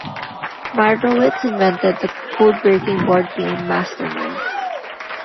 Meirowitz invented the code-breaking board game "Master Mind".